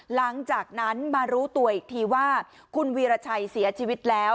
หลังจากนั้นมารู้ตัวอีกทีว่าคุณวีรชัยเสียชีวิตแล้ว